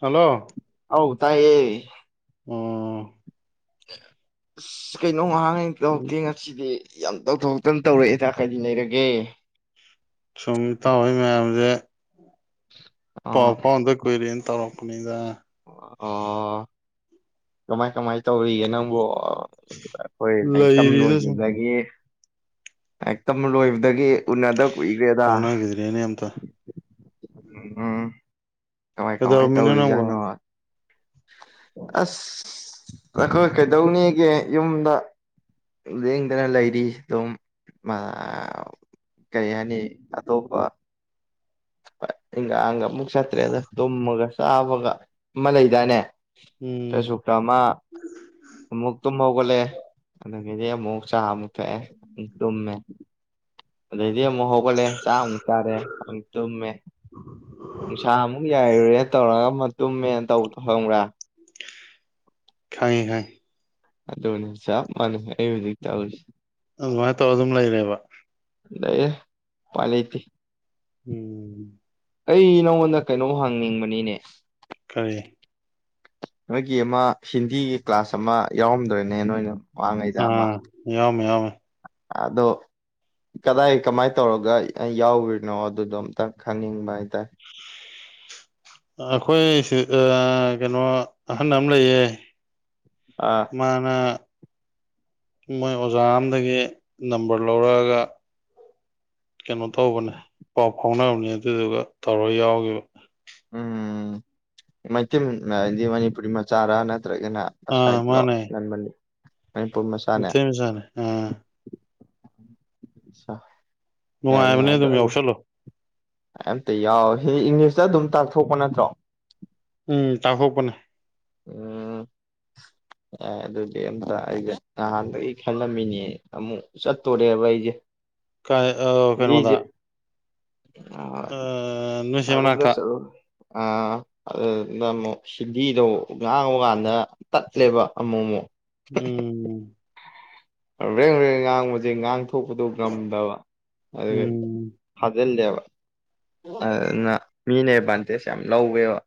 hello ꯍꯧ ꯇꯥꯏꯌꯦ ꯑꯣ ꯁꯤꯒꯥꯏꯅꯉꯍ ꯀꯥꯏ ꯇꯧꯗꯦ ꯉꯁꯤꯗꯤ ꯌꯥꯝ ꯇꯧꯊꯣꯛꯧꯇꯅ ꯇꯧꯔꯛꯑꯦ ꯏ ꯆꯥꯛꯈꯥꯏꯗꯤ ꯂꯩꯔꯒꯦ ꯁꯨꯝꯃꯤ ꯇꯥꯎꯍꯣꯏ ꯃꯌꯥꯝꯁꯦ [unintelligible] ꯄ ꯄꯗ ꯀꯣꯏꯔꯦꯅ ꯇꯔꯣ ꯑꯗ ꯑꯣ ꯇꯃꯥꯏ ꯀꯃꯥꯏꯅ ꯇꯧꯔꯤꯒꯦ ꯅꯪꯕꯨ ꯑꯩꯈꯣꯏ ꯇꯝ ꯂꯩꯔꯤꯗ ꯁꯨꯝ ꯂꯣꯏꯈꯤꯕꯗꯒꯤ ꯍꯦꯛꯇꯝ ꯂꯣꯏꯕꯗꯒꯤ ꯎꯅꯗ ꯀꯨꯏꯈ꯭ꯔꯦꯗ ꯐꯥꯎꯅꯈꯤꯗ꯭ꯔꯦꯅꯦ ꯑꯝꯇ ꯑꯥ ꯀꯃꯥꯏ ꯀꯃꯥꯏ ꯀꯩꯗꯧꯔꯝꯃꯤꯅꯣ ꯅꯪꯕꯣ ꯇꯧꯔꯤꯖꯥꯠꯅꯣ ꯑꯁ ꯑꯩꯈꯣꯏ ꯀꯩꯗꯧꯅꯤꯒ ꯌꯨꯝꯗ ꯂꯦꯡꯗꯅ ꯂꯩꯔꯤ ꯑꯗꯨꯝ ꯀꯩ ꯍꯥꯏꯅꯤ ꯑꯇꯣꯞꯄ ꯍ ꯏꯟꯒꯥꯥꯡꯒ ꯑꯃꯨꯛ ꯆꯠꯇ꯭ꯔꯦꯗ ꯇꯨꯝꯃꯒ ꯆꯥꯕꯒ ꯑꯃ ꯂꯩꯗꯅꯦ ꯎꯝ ꯐꯦꯁꯕꯨꯛꯇ ꯑꯃ ꯑꯃꯨꯛ ꯇꯨꯝꯍꯧꯒꯠꯂꯦ ꯃ ꯃꯨꯛ ꯆ ꯑꯃꯛꯇꯦ ꯇ ꯑꯗ ꯍꯣꯒꯂꯦ ꯆꯥ ꯎ ꯆꯥꯔꯦ ꯇꯨꯝꯃꯦ ꯅꯨꯡꯁꯥ ꯑꯃꯨꯛ ꯌꯥꯏꯔꯨꯔꯦ ꯇꯧꯔꯒ ꯇꯨꯝꯃꯦꯅ ꯇꯧꯗꯣ ꯈꯪꯕ꯭ꯔꯥ ꯈꯌꯦ ꯈꯥꯏ ꯑ ꯑꯗꯨꯅꯦ ꯁꯥ ꯃꯥꯅꯦ ꯑꯗ ꯆ ꯑꯗꯨꯃꯥꯏꯅ ꯇꯧꯔ ꯑꯗꯨꯝ ꯂꯩꯔꯦꯕ ꯗꯏ ꯄꯂꯦꯇ ꯎꯝ ꯑꯩ ꯅꯪꯉꯣꯟꯗ ꯀꯩꯅꯣꯝ ꯍꯪꯅꯤꯡꯕꯅꯤꯅꯦ ꯀꯔꯤ ꯅꯣꯏꯒꯤ ꯑꯃ ꯍꯤꯟꯗꯤꯒꯤ ꯀ꯭ꯂꯥꯁ ꯑꯃ ꯌꯥꯎꯔꯝꯗ꯭ꯔꯦ ꯑꯥ ꯌꯥꯎꯝ ꯌꯥꯎꯝ ꯑꯗꯣ ꯀꯗꯥꯏ ꯀꯃꯥꯏꯅ ꯇꯧꯔꯒ ꯌꯥꯎ꯭ꯔꯤꯅꯣ ꯑꯗꯨꯗꯣ ꯑꯝꯇ ꯈꯪꯅꯤꯡꯕ ꯍꯥꯏꯇꯥꯔꯦ ꯑꯩꯈꯣꯏ ꯀꯩꯅꯣ ꯑꯍꯟ ꯑꯃ ꯂꯩꯌꯦ ꯑ ꯃꯥꯅ ꯃꯣꯏ ꯑꯣꯖꯥ ꯑꯝꯗꯒꯤ ꯅꯝꯕꯔ ꯂꯧꯔꯛꯑꯒ ꯀꯩꯅꯣ ꯇꯧꯕꯅꯦ ꯄꯥꯎ ꯐꯥꯎꯅꯕꯅꯦ ꯑꯗꯨꯗꯨꯒ ꯇꯧꯔ ꯌꯥꯎꯈꯤꯕ ꯃ ꯏꯗꯤ ꯃꯅꯤꯄꯨꯔꯤ ꯃ ꯆꯥꯔꯥ ꯅ ꯅꯠꯇ꯭ꯔꯒꯅ ꯑꯁꯥꯏꯠ ꯂꯣ ꯅꯟꯕꯅꯤ ꯃꯊꯦꯁꯥꯔꯦ ꯑ ꯆꯥ ꯅꯨꯡꯉꯥꯏꯕꯅꯦ ꯑꯗꯨꯝ ꯌꯥꯎꯁꯜꯂꯨ ꯑꯝꯇ ꯌꯥꯎꯋ ꯍ ꯏꯪꯂꯤꯁꯇ ꯑꯗꯨꯝ ꯇꯥꯛꯊꯣꯛꯄ ꯅꯠꯇ꯭ꯔꯣ ꯎꯝ ꯇꯥꯍꯧꯕꯅꯦ ꯎꯝ ꯌꯥ ꯑꯗꯨꯗꯤ ꯑꯝꯇ ꯑꯩꯁꯦ ꯅꯍꯥꯟꯗꯒꯤ ꯈꯜꯂꯝꯃꯤꯅꯦ ꯑꯃꯨꯛ ꯆꯠꯇꯣꯔꯦꯕ ꯑꯩꯁꯦ ꯀ ꯑ ꯀꯩꯅꯩꯅꯣꯗ ꯍꯤꯟꯗꯤꯁꯦ ꯑ ꯅꯁꯤꯕꯅꯥ ꯁꯥꯏꯕꯣꯝꯗ ꯀ ꯆꯠꯂꯨ ꯑ ꯑꯗꯨꯗꯨꯗ ꯑꯃꯨꯛ ꯁꯤꯚꯤꯗꯣ ꯉꯥꯡꯕꯀꯥꯟꯗ ꯇꯠꯂꯦꯕ ꯑꯃꯨꯛ ꯑꯃꯨꯛ ꯎꯝ ꯔꯦꯡ ꯔꯦꯡ ꯉꯥꯡ ꯃꯦ ꯉꯥꯡ ꯊꯣꯛꯄꯗꯨꯣ ꯉꯝꯗꯕ ꯑꯗꯨꯒ ꯎꯝ ꯊꯥꯖꯤꯜꯂꯦꯕ ꯑꯗꯨꯅ ꯃꯤꯅ ꯑꯦꯗꯚꯥꯟꯇꯦꯖ ꯌꯥꯝ ꯂꯧꯋꯦꯕ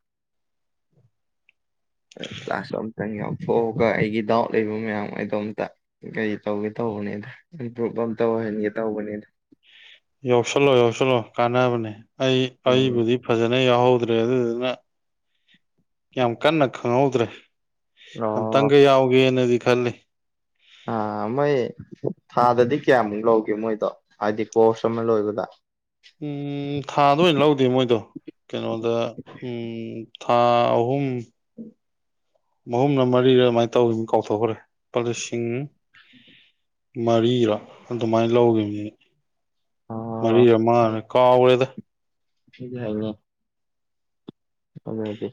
ꯀ꯭ꯂꯥꯁ ꯑꯝꯇꯪ ꯌꯥꯎꯊꯣꯛꯑꯒ ꯑꯩꯒꯤ ꯗꯥꯎꯠ ꯂꯩꯕ ꯃꯌꯥꯝ ꯑꯩꯗꯣ ꯑ ꯑꯃꯇ ꯀꯔꯤ ꯇꯧꯒꯦ ꯇꯧꯕꯅꯤꯗ ꯏꯝꯄ꯭ꯔꯨꯞꯚ ꯑꯇꯧ ꯑꯣꯏꯍꯟꯒꯦ ꯇꯧꯕꯅꯤꯗ ꯌꯧꯁꯜꯂꯣ ꯌꯧꯁꯜꯂꯣ ꯀꯥꯟꯅꯕꯅꯦ ꯑꯩ ꯎꯝ ꯑꯩꯕꯨꯗꯤ ꯐꯖꯅ ꯌꯥꯎꯍꯧ ꯗ꯭ꯔꯦ ꯑꯗꯨꯗꯨꯅ ꯌꯥꯝ ꯀꯟꯅ ꯈꯪꯍꯧꯗ꯭ꯔꯦ ꯑꯝ ꯑꯣ ꯇꯪꯒ ꯌꯥꯎꯒꯦꯅꯗꯤ ꯈꯜꯂꯤ ꯑ ꯃꯣꯏ ꯊꯥꯗꯗꯤ ꯀꯌꯥꯃꯨꯛ ꯂꯧꯒꯦ ꯃꯣꯏꯗꯣ ꯍꯥꯏꯗꯤ ꯀꯣꯔꯁ ꯑꯃ ꯂꯣꯏꯕꯗ ꯎꯝ ꯊꯥꯗ ꯑꯣꯏꯅ ꯂꯧꯗꯦ ꯃꯣꯏꯗꯣ ꯀꯩꯅꯣꯗ ꯎꯝ ꯊꯥ ꯑꯍꯨꯝ ꯃꯍꯍꯨꯝꯅ ꯃꯔꯤꯗ ꯑꯗꯨꯃꯥꯏꯅ ꯇꯧꯈꯤꯕ ꯀꯥꯎꯊꯣꯛꯈ꯭ꯔꯦ ꯂꯨꯄꯥ ꯂꯤꯁꯤꯡ [inaudible] ꯃꯔꯤꯔꯥ ꯑꯗꯨꯃꯥꯏꯅ ꯂꯧꯈꯤꯕꯅꯤ ꯃꯔꯤ ꯑꯃꯃꯅꯦ ꯀꯥꯎ ꯑꯣꯏꯔꯦꯗ ꯁꯤꯒ ꯍꯕꯣ ꯑꯗꯗꯤꯗꯤ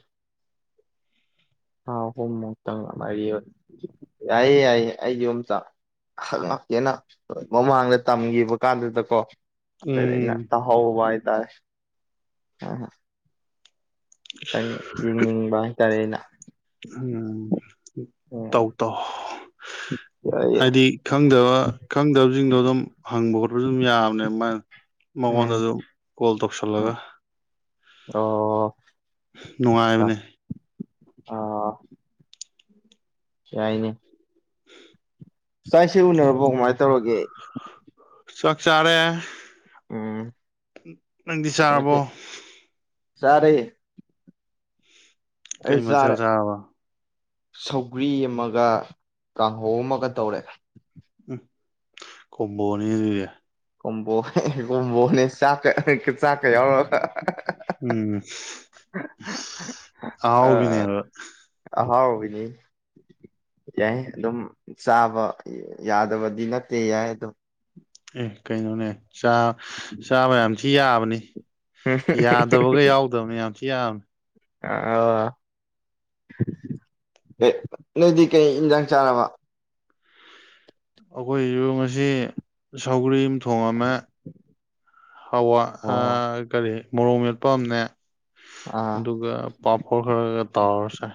ꯊꯥ ꯑꯍꯨꯝꯃꯨꯛꯇꯪ ꯑꯗꯨꯥꯏꯔꯤ ꯌꯥꯏꯌꯦ ꯌꯥꯏꯌꯦ ꯑꯩꯒꯤ ꯑꯃꯝꯇꯍꯛ ꯉꯥꯛꯇꯦꯅ ꯃꯃꯥꯡꯗ ꯇꯝꯈꯤꯕ ꯀꯥꯟꯗꯨꯗꯀꯣ ꯎꯝ ꯅꯠꯇ ꯍꯕ ꯑ ꯈꯤꯇꯪ ꯌꯦꯡꯅꯤꯡꯕ ꯍꯥꯏꯇꯥꯔꯦ ꯑꯩꯅ [unintelligible] ꯎ ꯎꯝ ꯇꯧ ꯇꯧ ꯌꯥꯏꯌꯦ ꯍꯥꯏꯗꯤ ꯈꯪꯗꯕ ꯈꯪꯗꯕꯁꯤꯡꯗꯣ ꯑꯗꯨꯝ ꯍꯪꯕ ꯈꯣꯠꯄꯁꯨ ꯑꯗꯨꯝ ꯌꯥꯕꯅꯦ ꯃꯥ ꯃꯉꯣꯟꯗ ꯎꯝ ꯑꯗꯨ ꯀꯣꯜ ꯎꯝ ꯇꯧꯁꯜꯂꯒ ꯑꯣ ꯑꯆꯥ ꯅꯨꯡꯉꯥꯏꯕꯅꯦ ꯑꯥ ꯌꯥꯏꯅꯦ ꯆꯥꯏꯁꯤꯦ ꯎꯅꯔꯕꯣ ꯀꯃꯥꯏꯅ ꯇꯧꯔꯒꯦ ꯆꯆꯥꯥꯔꯦ ꯎꯝ ꯅꯪꯗꯤ ꯆꯥꯔꯕꯣ ꯁꯔꯦ ꯀꯩ ꯃ ꯍꯧ ꯇ ꯁꯧꯒ꯭ꯔꯤ ꯑꯃꯒ ꯀꯥꯡꯍꯧ ꯑꯃꯒ ꯇꯧꯔꯦ ꯎꯝ ꯀꯝꯕꯅꯤꯔ ꯀꯣꯝꯕꯣꯅꯦ ꯀꯣꯝꯕꯣꯅꯦ ꯆꯥꯛꯀ ꯆꯥꯛꯀ ꯌꯥꯎꯔꯒ ꯎꯝ ꯑꯕꯅꯦꯕ ꯅꯤ ꯌꯥꯏ ꯑꯗꯨꯝ ꯆꯥꯕ ꯌꯥꯗꯕꯗꯤ ꯅꯠꯇꯦ ꯌꯥꯏ ꯑꯗꯣ ꯑꯦ ꯀꯩꯅꯣꯅꯦ ꯆꯥꯕ ꯌꯥꯝ ꯊꯤ ꯌꯥꯕꯅꯤ ꯌꯥꯗꯕꯒ ꯌꯥꯎꯗꯕꯅꯤ ꯌꯥꯝ ꯊꯤ ꯌꯥꯕꯅꯤ ꯑ ꯅꯣꯏꯗꯤ ꯀꯩ ꯏꯟꯖꯥꯡ ꯆꯥꯔꯕ ꯑꯩꯈꯣꯏꯁꯨ ꯉꯁꯤ ꯁꯧꯒꯔꯤ ꯊꯣꯡꯃ ꯍꯋꯥ ꯑꯣ ꯀꯔꯤ ꯃꯣꯔꯣꯡ ꯃꯦꯠꯄꯝꯅꯦ ꯑꯥ ꯑꯗꯨꯒ ꯄꯥꯄꯣꯔ ꯈꯔꯒ ꯇꯋꯔꯁꯦ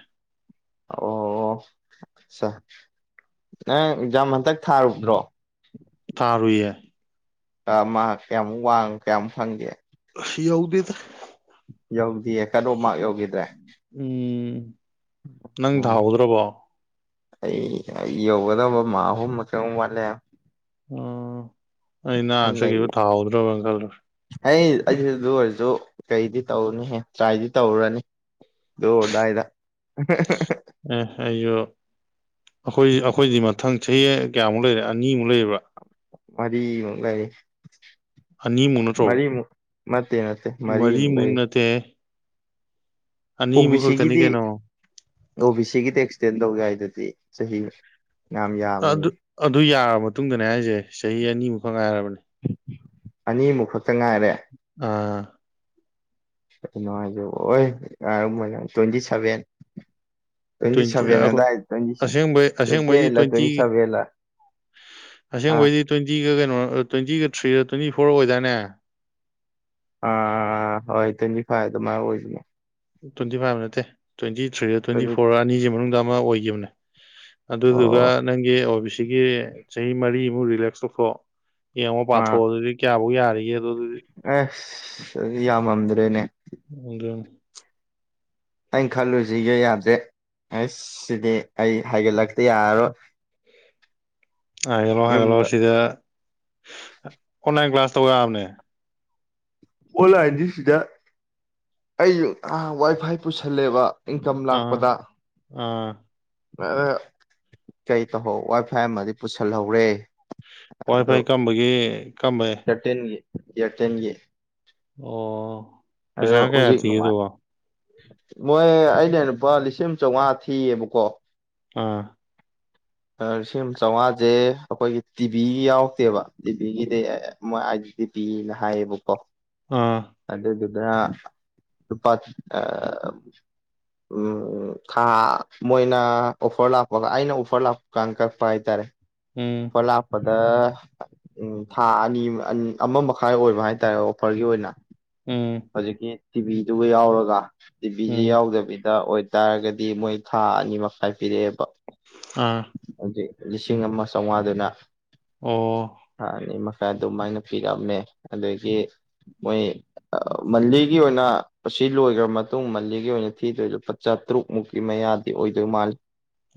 ꯑꯣ ꯑ ꯅꯪ ꯑꯦꯛꯖꯥꯝ ꯍꯟꯇꯛ ꯊꯥꯔꯨꯕ꯭ꯔꯣ ꯇꯥꯔ ꯌꯥꯦ ꯃꯥ ꯀꯌꯥꯝ ꯋꯥꯡ ꯀꯌꯥꯝ ꯐꯪꯒꯦ ꯐ ꯌꯒꯗ ꯌꯧꯗꯤ ꯑꯦ ꯀꯔꯣ ꯃꯥ ꯌꯧ ꯒꯤꯗ ꯎꯝ ꯅꯪ ꯊꯥꯍꯧꯗ꯭ꯔꯕꯣ ꯑꯩ ꯌꯧꯒꯗꯕ ꯃꯥꯍꯨꯝ ꯃ ꯋꯥꯂꯦ ꯎꯝ ꯑꯩ ꯅꯍꯥꯟ ꯆꯈꯤꯕ ꯊꯥꯎꯍꯧꯗ꯭ꯔꯕ [inaudible] ꯍ ꯑꯩꯁꯨ ꯑꯗꯨ ꯑꯣꯏꯔꯁꯨ ꯀꯩꯗꯤ ꯇꯧꯅꯤꯍꯦ ꯇ꯭ꯔꯥꯏꯗꯤ ꯇꯧꯔꯅꯤ ꯑꯗꯨꯔꯗꯥꯏꯗ ꯑꯦ ꯑꯩꯁꯨ ꯑꯩꯈꯣꯏ ꯑꯩꯈꯣꯏꯗꯤ ꯃꯊꯪ ꯆꯍꯤ ꯀꯌꯥꯃꯨꯛ ꯂꯩꯔꯦ ꯑꯅꯤꯃꯨꯛ ꯂꯩꯕ꯭ꯔꯥ ꯃꯗꯤ ꯃꯦ ꯑꯅꯤꯃꯨꯛ ꯅꯠꯇ꯭ꯔꯣ ꯃꯁ ꯃꯔꯤ ꯃꯨꯅꯠꯇꯦ ꯑꯅꯤ ꯑꯣ ꯕꯤ ꯃꯛ ꯍꯛꯇꯅꯤ ꯁꯤꯒꯤꯗꯤ ꯀꯩꯅꯣ ꯑꯣ ꯕꯤ ꯁꯤꯒꯤꯗꯤ ꯑꯦꯛꯁꯇꯦꯟ ꯇꯧ ꯌꯥꯏ ꯑꯗꯨꯗꯤ ꯆꯍꯤ ꯌꯥꯝ ꯌꯥꯝꯃꯤꯌꯦ ꯑꯗꯨ ꯑꯗꯨ ꯌꯥꯔꯕ ꯃꯇꯨꯡꯗꯅꯦ ꯍꯥꯏꯁꯦ ꯆꯍꯤ ꯑꯅꯤꯃꯨꯛ ꯐ ꯉꯥꯏꯔꯕꯅꯤ ꯎꯝ ꯑꯅꯤ ꯃꯐꯠ ꯆꯉꯥꯏꯔꯦ ꯑꯥ ꯅꯨꯡꯉꯥꯏꯖꯕ ꯍ ꯉꯔ ꯃ ꯇ꯭ꯋꯦꯟꯇꯤ ꯁꯚꯦꯟ ꯭ꯋ ꯇ꯭ꯋꯦꯟꯇꯤ ꯁꯚꯦꯟ ꯑꯗꯥꯏ ꯇ꯭ꯋꯦꯟꯇꯤ ꯑꯁꯕ ꯇ꯭ꯋꯦꯟꯇꯤ ꯑꯁꯦꯡꯕꯩꯗꯤ ꯑꯩꯠꯂ ꯇ꯭ꯋꯦꯟꯇꯤ ꯁꯚꯦꯟꯂ ꯑꯥ ꯑꯁꯦꯡꯕꯩꯗꯤ ꯇ꯭ꯋꯦꯟꯇꯤꯒꯒ ꯇ꯭ꯋꯦꯟꯇꯤꯒ ꯊ꯭ꯔꯤꯗ ꯇ꯭ꯋꯦꯟꯇꯤ ꯐꯣꯔ ꯑꯣꯏꯗꯅꯦ ꯑꯥ ꯍꯣꯏ ꯇꯅ ꯐꯥꯏꯗ ꯃꯥ ꯇ꯭ꯋꯦꯟꯇꯤ ꯐꯥꯏꯚ ꯅꯠꯇꯦ ꯇ꯭ꯋꯦꯟꯇꯤ ꯊ꯭ꯔꯤ ꯇ꯭ꯋꯦꯟꯇꯤ ꯐꯣꯔ ꯑꯅꯤꯁꯤ ꯃꯅꯨꯡꯗ ꯑꯃ ꯑꯣꯏꯈꯤꯕꯅꯦ ꯑꯗꯨꯗꯨꯒ ꯑꯣ ꯅꯪꯒꯤ ꯑꯣ ꯁꯤ ꯆꯍꯤ ꯃꯔꯤꯃꯨꯛ ꯔꯤꯂꯦꯛꯁ ꯇꯧꯊꯣꯛꯑꯣ ꯌꯦꯡꯉꯣ ꯄꯥꯊꯣꯛꯑꯣ ꯑꯗꯨꯗꯤ ꯀꯌꯥ ꯌꯥꯔꯔꯤꯌꯦ ꯑ ꯌꯥꯝꯃꯝꯗ꯭ꯔꯦꯅꯦ ꯑꯖ ꯑꯩꯅ ꯈꯜꯂꯨꯁꯤꯒꯦ ꯌꯥꯗꯦ ꯑꯩꯁ ꯁꯤꯗꯤ ꯑꯩ ꯍꯥꯏꯒꯠꯂꯛꯇ ꯌꯥꯔꯔꯣꯏ ꯍꯥꯏꯒꯂꯣ ꯍꯥꯏꯒꯂꯣ ꯌꯨꯝꯗ ꯁꯤꯗꯦ ꯀ ꯀ꯭ꯂꯥꯁ ꯇꯧꯔꯕꯅꯦ ꯑꯣꯟꯂꯥꯏꯟꯁꯤꯁꯤꯗ ꯑꯩꯁꯨ ꯋꯥꯏ ꯐꯥꯏ ꯄꯨꯁꯜꯂꯦꯕ ꯏꯟꯀꯝ ꯑꯥ ꯂꯥꯛꯄꯗ ꯑꯥ ꯀꯔꯤ ꯇꯧꯍꯧ ꯋꯥꯏ ꯐꯥꯏ ꯑꯃꯗꯤ ꯄꯨꯁꯤꯜꯍꯧꯔꯦ ꯋꯥ꯭ꯏ ꯐꯥꯏ ꯀꯝꯕꯒꯤ ꯀꯝꯕꯩ ꯇꯇꯤꯟꯒꯤ ꯏꯔ ꯇꯦꯟ ꯌꯦ ꯑꯣ ꯄꯩꯁꯥ ꯀꯌꯥꯇ ꯅꯨꯡꯉꯥꯏ ꯗꯋꯥ ꯃꯣꯏ ꯑꯩꯅ ꯂꯨꯄꯥ ꯂꯤꯁꯤꯡ ꯆꯥꯝꯃꯉꯥ ꯊꯤꯌꯦꯕꯀꯣ ꯑꯥ ꯂꯤꯁꯤꯡ ꯆꯥꯝꯃꯉꯥꯁꯦ ꯑꯩꯈꯣꯏꯒꯤ ꯇꯤꯚꯤ ꯌꯥꯎꯔꯛꯇꯦꯕ ꯇꯤꯚꯤꯒꯤꯗꯤ ꯃꯣꯏ ꯑꯥꯏꯗꯤ ꯇꯤꯚꯤꯅ ꯍꯥꯏꯌꯦꯕꯀꯣ ꯑꯥ ꯑꯗꯨ ꯂꯨꯄꯥ ꯈꯥ ꯃꯣꯏꯅ ꯑꯣꯐꯔ ꯂꯥꯛꯄꯒ ꯑꯩꯅ ꯑꯣꯐꯔ ꯂꯥꯛꯄ ꯀꯪꯀ ꯄꯥꯏ ꯇꯔ ꯎꯝ ꯐꯂ ꯐ ꯎꯝ ꯊꯥ ꯑꯅꯤ ꯑꯃ ꯃꯈꯥꯏ ꯑꯣꯏꯕ ꯍꯥꯏꯇꯥꯔꯦ ꯑꯣꯐꯔꯒꯤ ꯑꯣꯏꯅ ꯎꯝ ꯍꯧꯖꯤꯛꯀꯤ ꯇꯤꯚꯤꯗꯨꯒ ꯌꯥꯎꯔꯒ ꯇꯤꯚꯁꯤꯦ ꯎꯝ ꯌꯥꯎꯗꯕꯤꯗ ꯑꯣꯏ ꯇꯥꯥꯔꯒꯗꯤ ꯃꯣꯏ ꯊꯥ ꯑꯅꯤ ꯃꯈꯥꯏ ꯄꯤꯔꯛꯑꯦꯕ ꯑꯥ ꯍꯧꯖꯤꯛ ꯂꯤꯁꯤꯡ ꯑꯃ ꯁꯋꯥꯗꯅ ꯑꯣ ꯈꯔ ꯑꯗꯨꯃꯥꯏꯅ ꯄꯤꯔꯛꯑꯃꯦ ꯑꯗꯒꯤ ꯃꯣꯏ ꯃꯜꯂꯤꯒꯤ ꯑꯣꯏꯅ ꯁꯤ ꯂꯣꯏꯈ꯭ꯔ ꯃꯇꯨꯡ ꯃꯟꯜꯂꯤꯒꯤ ꯑꯣꯏꯅ ꯊꯤꯗꯣꯏ ꯂꯨꯄꯥ ꯆꯥꯇꯔꯨꯛ ꯃꯨꯛꯀꯤ ꯃꯌꯥꯗꯤ ꯑꯣꯏꯗꯣꯏ ꯃꯥꯜꯂꯤ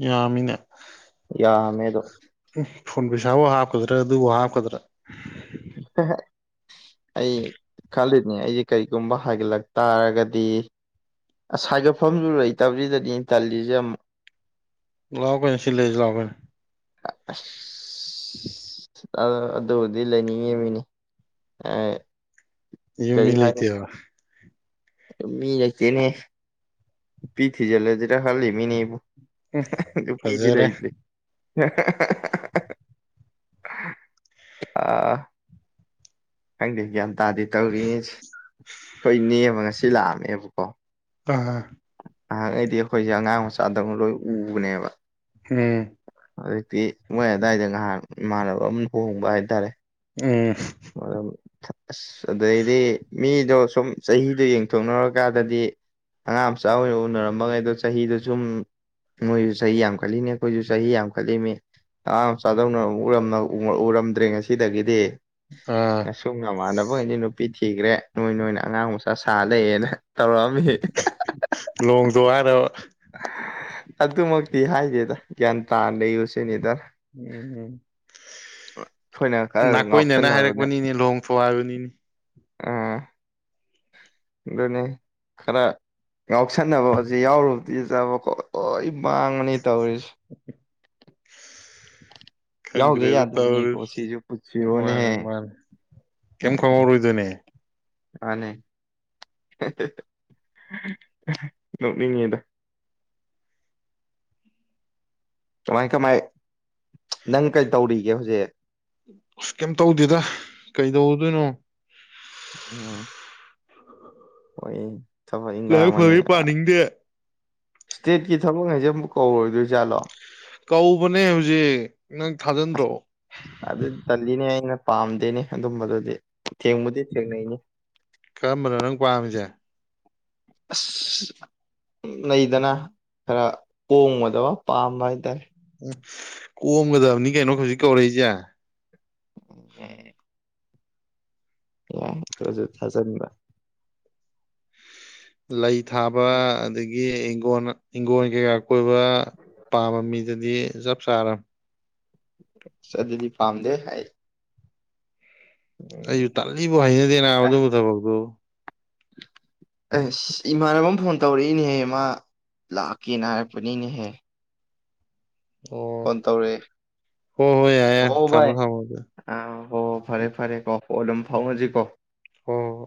ꯌꯥꯝꯃꯤꯅ ꯃꯦꯗꯣ ꯎꯝ ꯐꯣꯟ ꯄꯩꯁꯥꯕꯨ ꯍꯥꯞꯀꯗ꯭ꯔꯥ ꯑꯗꯨꯕꯨ ꯍꯥꯞꯀꯗ꯭ꯔꯥ ꯑꯩ ꯈꯜꯂꯤꯅꯦ ꯑꯩꯁꯦ ꯀꯔꯤꯒꯨꯝꯕ ꯍꯥꯏꯒꯠꯂꯛ ꯇꯥꯔꯒꯗꯤ ꯁꯥꯏꯒꯠꯐꯝꯁꯨ ꯂꯩꯇꯕꯔꯤꯗꯗꯤ ꯏꯟꯇꯦꯂꯤꯖꯝ ꯂꯥꯛꯑꯣ ꯀꯅꯦ ꯁꯤꯜꯂꯩꯁꯤ ꯂꯥꯛꯑꯣꯒꯅꯦ ꯑ ꯑꯗꯨꯕꯨꯗꯤ ꯂꯩꯅꯤꯡꯉꯤ ꯃꯤꯅꯦ ꯌꯃꯤ ꯂꯩꯇ ꯃꯤ ꯂꯩꯆꯦꯅꯦ ꯄꯤꯊꯤꯖꯦꯂꯦ ꯍꯜꯂꯤꯂꯤꯃꯤꯅꯤꯕꯣ ꯎꯝ ꯐꯖꯔꯦ ꯑꯥ ꯍꯪꯗꯤ ꯭ ꯑꯇꯥꯥꯗꯤ ꯇꯧꯔꯤꯉ ꯑꯩꯈꯣꯏ ꯅꯦꯝꯕ ꯉꯁꯤ ꯂꯥꯛꯑꯝꯃꯦꯕꯀꯣ ꯑꯥ ꯅꯍꯥꯛꯈꯩꯗꯤ ꯑꯩꯈꯣꯏꯁꯦ ꯑꯉꯥꯡ ꯃꯆꯥꯗꯧꯅ ꯂꯣꯏ ꯎꯕꯅꯦꯕ ꯍꯝ ꯍꯧꯖꯤꯛꯇꯤ ꯃꯣꯏ ꯑꯗꯨꯋꯥꯏꯗ ꯉꯥꯏꯍꯥꯛ ꯏꯃꯥꯟꯅꯕ ꯑꯃ ꯍꯣꯡꯕ ꯍꯥꯏꯇꯥꯔꯦ ꯎꯝ ꯑꯗꯨꯝ ꯑꯁ ꯑꯗꯩꯗꯤ ꯃꯤꯗꯣ ꯁꯨꯝ ꯆꯍꯤꯗꯣ ꯌꯦꯡꯊꯣꯛꯅꯔꯀꯥꯟꯗꯗꯤ ꯑꯉꯥꯡ ꯃꯆꯥ ꯑꯣꯏꯅ ꯎꯅꯔꯝꯃ ꯉꯩ ꯑꯗꯣ ꯆꯍꯤꯗꯨ ꯁꯨꯝ ꯅꯣꯏꯁꯨ ꯆꯍꯤ ꯌꯥꯝꯈꯠꯂꯤꯅꯤ ꯑꯩꯈꯣꯏꯁꯨ ꯆꯍꯤ ꯌꯥꯝꯈꯠꯂꯤꯅꯤ ꯑꯉꯥꯡ ꯃꯆꯥꯗꯧꯅ ꯎꯔꯝꯗ꯭ꯔꯦ ꯉꯁꯤꯗꯒꯤꯗꯤ ꯑꯥ ꯑꯁꯨꯝ ꯃꯃꯥꯟꯅꯕꯈꯩꯅꯤ ꯅꯨꯄꯤ ꯊꯤꯈ꯭ꯔꯦ ꯅꯣꯏ ꯅꯣꯏꯅ ꯑꯉꯥꯡ ꯇꯁꯂꯦ ꯌꯦꯅ ꯂꯣꯡꯗꯣ ꯑꯔꯔꯕ ꯑꯗꯨꯃꯛꯇꯤ ꯍꯥꯏꯒꯦꯗ ꯒ꯭ꯌꯥꯟ ꯇꯥ ꯂꯩꯌꯨ ꯁꯤꯅꯤꯗ ꯎꯝ ꯎꯝ ꯑꯩꯈꯣꯏꯅ ꯈꯔ ꯅꯥꯀꯣꯏꯅꯅ ꯉꯥꯎꯁꯟꯅꯕꯅꯦ ꯍꯥꯏꯔꯛꯄꯅꯤꯅꯦ ꯂꯨꯍꯣꯡꯐꯨ ꯍꯥꯏꯕꯅꯤꯅꯤ ꯑꯥ ꯑꯗꯨꯅꯦ ꯈꯔ ꯉꯥꯎꯁꯟꯅꯕ ꯍꯧꯖꯤꯛ ꯌꯥꯎꯔꯨꯕꯗꯤ ꯆꯥꯕ ꯈꯣꯠ ꯃꯥꯡꯉꯅꯤ ꯇꯧꯔꯤꯁꯦ ꯌꯥꯎꯗ ꯈꯪꯗ꯭ꯔꯦꯗ ꯇꯧꯔ ꯌꯥꯗꯕꯅꯤꯀꯣ ꯁꯤꯁꯨ ꯄꯨꯟꯁꯤꯔꯣꯅꯦꯍꯦ ꯃꯥꯅꯤ ꯃꯥꯅꯤ ꯀꯩꯝ ꯈꯪꯍꯧꯔꯣꯏꯗꯣꯏꯅꯦ ꯑꯅꯤ ꯉꯃꯤꯉꯗ ꯀꯃꯥꯏ ꯀꯃꯥꯏ ꯅꯪ ꯀꯩ ꯇꯧꯔꯤꯒꯦ ꯍꯧꯖꯤꯛ ꯑꯁ ꯀꯩꯝ ꯇꯧꯗꯦꯗ ꯀꯩꯗꯧꯗꯣꯏꯅꯣ ꯎꯝ ꯍꯣꯏ ꯊꯕꯛ ꯏꯪꯈꯥꯡ ꯂꯥꯏꯔꯤꯛ ꯑꯃꯅꯤ ꯐꯕ ꯄꯥꯅꯤꯡꯗꯦ ꯏꯁꯇꯦꯠꯀꯤ ꯊꯕꯛ ꯍꯥꯏꯩꯁꯦ ꯑꯃꯨꯛ ꯀꯧꯔꯣꯏꯗꯣꯏꯖꯥꯠꯂꯣ ꯀꯧꯕꯅꯦ ꯍꯧꯖꯤꯛ ꯅꯪ ꯊꯥꯖꯤꯟꯗ꯭ꯔꯣ ꯑꯅ ꯄꯥꯝꯗꯦꯅꯦ ꯑꯗꯨꯝꯕꯗꯨꯗꯤ ꯊꯦꯡꯕꯨꯗꯤ ꯊꯦꯡꯅꯩꯅꯤ ꯀꯔꯝꯕꯅꯣ ꯅꯪ ꯄꯥꯝꯃꯤꯁꯦ ꯑꯁ ꯂꯩꯗꯅ ꯈꯔ ꯀꯣꯡꯉꯗꯕ ꯄꯥꯝꯕ ꯍꯥꯏ ꯇꯔꯦ ꯎ ꯀꯣꯝꯒꯗꯕꯅꯤ ꯀꯩꯅꯣ ꯍꯧꯖꯤꯛ ꯀꯧꯔꯛꯏꯁꯦ ꯌꯥ ꯊꯖ ꯂꯩꯥꯏ ꯊꯥꯕ ꯑꯗꯒꯤ ꯏꯪꯣꯟꯅ ꯏꯪꯣꯣꯟ ꯀꯣꯏꯕ ꯄꯥꯝꯕ ꯃꯤꯗꯗꯤ ꯆꯞ ꯁꯥꯔꯝ ꯁ ꯑꯗꯨꯗꯤ ꯐꯥꯝꯗꯦ ꯍꯥꯏ ꯑꯩꯁꯨ ꯇꯜꯂꯤꯕꯨ ꯍꯩꯅꯗꯦꯅ ꯑꯗꯨꯕꯨ ꯊꯕꯛꯇꯨ ꯑꯦꯁ ꯏꯃꯥꯟꯅꯕ ꯑꯃ ꯐꯣꯟ ꯇꯧꯔꯛꯏꯅꯦꯍꯦ ꯃꯥ ꯂꯥꯛꯀꯦꯅ ꯍꯥꯏꯔꯛꯄꯅꯤꯅꯦꯍꯦ ꯑꯣ ꯐꯣꯟ ꯇꯧꯔꯛꯑꯦ ꯍꯣ ꯍꯣꯏ ꯌꯥ ꯌꯥ ꯊꯥꯡꯃꯣ ꯚꯥꯏ ꯊꯥꯡꯃꯗ ꯑꯥ ꯑꯣ ꯐꯔꯦ ꯐꯔꯦ ꯀꯣ ꯍ ꯑꯗꯨꯝ ꯐꯥꯎꯅꯁꯤꯀꯣ ꯍꯣꯏ ꯍꯣꯏ ꯍꯣꯏ